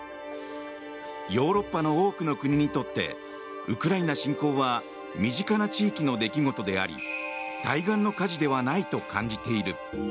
ヨーロッパの多くの国にとってウクライナ侵攻は身近な地域の出来事であり対岸の火事ではないと感じている。